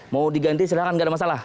mau diganti silahkan nggak ada masalah